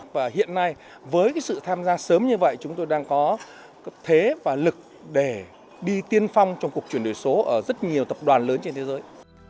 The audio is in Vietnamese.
và hiện nay với sự tham gia sớm như vậy chúng tôi đang có thế và lực để đi tiên phong trong cuộc chuyển đổi số ở rất nhiều tập đoàn lớn trên thế giới